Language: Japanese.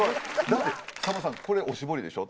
だってさんまさんこれお絞りでしょ？